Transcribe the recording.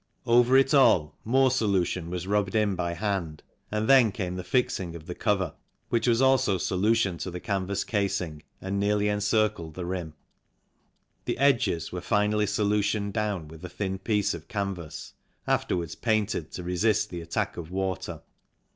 Over it all more solut'on was rubbed in by hand and then came the fixing of the cover, which was also solutioned to the canvas casing and nearly encircled the rim. The edges were finally solutioned down with a thin piece of canvas, afterwards painted to resist the attack of water.